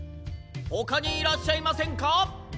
ほかにいらっしゃいませんか？